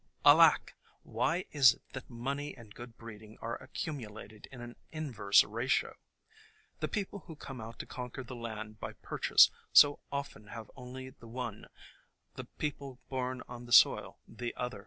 Alack ! Why is it that money and good breed ing are accumulated in an inverse ratio? The peo 4 THE COMING OF SPRING pie who come out to conquer the land by purchase so often have only the one, the people born on the soil the other.